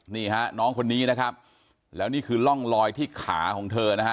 นี่ฮะน้องคนนี้นะครับแล้วนี่คือร่องลอยที่ขาของเธอนะฮะ